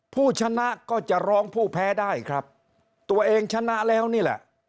ผู้ชนะก็จะร้องผู้แพ้ได้ครับตัวเองชนะแล้วนี่แหละ